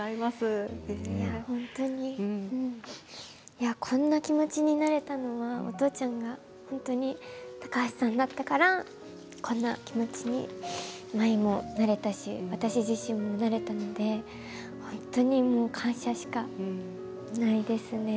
本当にこんな気持ちになれたのはお父ちゃんが高橋さんだったからこんな気持ちに舞もなれたし私自身もなれたので本当に感謝しかないですね。